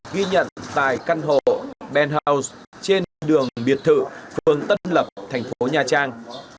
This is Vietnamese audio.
ghi nhận tại căn hộ benhouse trên đường biệt thự phường tân lập thành phố nha trang